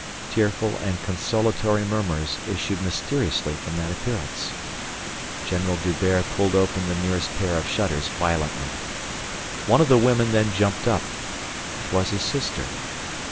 Tearful and consolatory murmurs issued mysteriously from that appearance. General D'Hubert pulled open the nearest pair of shutters violently. One of the women then jumped up. It was his sister.